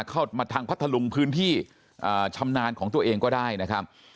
เข้ามาทางพัทธลุงพื้นที่ชำนาญของตัวเองก็ได้นะครับ